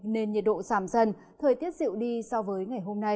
nên nhiệt độ giảm dần thời tiết dịu đi so với ngày hôm nay